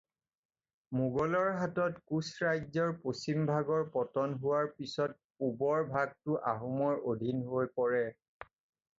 মোগলৰ হাতত কোচ ৰাজ্যৰ পশ্চিমভাগৰ পতন হোৱাৰ পিছত পূবৰ ভাগটো আহোমৰ অধীন হৈ পৰে।